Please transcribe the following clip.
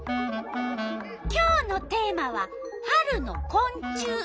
今日のテーマは「春のこん虫」。